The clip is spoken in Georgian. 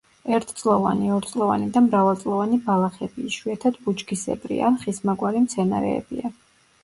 ერთწლოვანი, ორწლოვანი და მრავალწლოვანი ბალახები, იშვიათად ბუჩქისებრი ან ხისმაგვარი მცენარეებია.